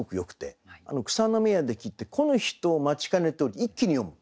「草の芽や」で切って「来ぬ人を待ちかねてをり」と一気に読む。